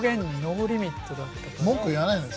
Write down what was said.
文句言わないのよ